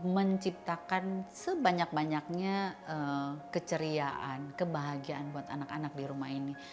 menciptakan sebanyak banyaknya keceriaan kebahagiaan buat anak anak di rumah ini